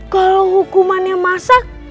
kalau hukumannya masak